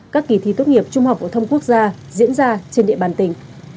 các kỳ thi tốt nghiệp trung học phổ thông quốc gia diễn ra trên địa bàn tỉnh